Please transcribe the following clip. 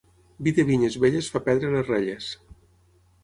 Vi de vinyes velles fa perdre les relles.